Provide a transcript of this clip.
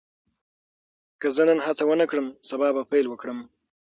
که زه نن هڅه ونه کړم، سبا به پیل وکړم.